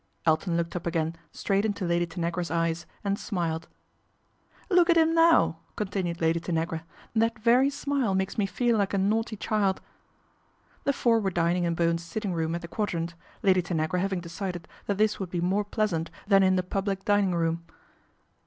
Elton looked up again straight into Lady Tanagra's eyes and smiled. " Look at him now !" continued Lady Tanagra, " that very smile makes me feel like a naughty child." The four were dining in Bowen's sitting room at the Quadrant, Lady Tanagra having decided that this would be more pleasant than in the public dining room.